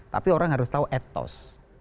tapi orang harus tahu ethos